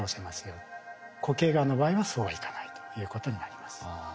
固形がんの場合はそうはいかないということになります。